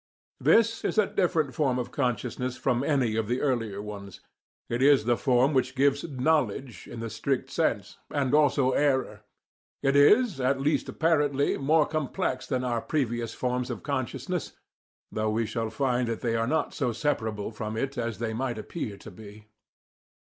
This is a different form of consciousness from any of the earlier ones. It is the form which gives "knowledge" in the strict sense, and also error. It is, at least apparently, more complex than our previous forms of consciousness; though we shall find that they are not so separable from it as they might appear to be.